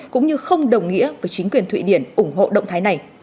cũng như không đồng nghĩa với chính quyền thụy điển ủng hộ động thái này